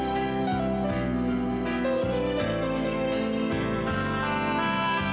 gak bakal jadi satu